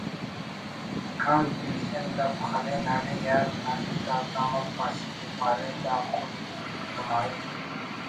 کان پیشن گپ خلین اڑے یار نا کتاب نا مون پاشی ءِ پارے دا خُدنمائی